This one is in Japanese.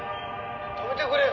「止めてくれよ！